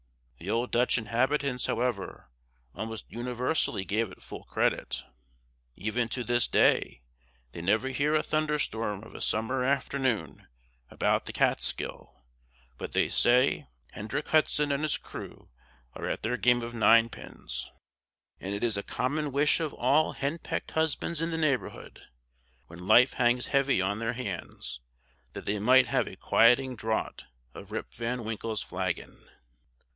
The old Dutch inhabitants, however, almost universally gave it full credit. Even to this day, they never hear a thunder storm of a summer afternoon about the Kaatskill, but they say Hendrick Hudson and his crew are at their game of ninepins; and it is a common wish of all henpecked husbands in the neighborhood, when life hangs heavy on their hands, that they might have a quieting draught out of Rip Van Winkle's flagon.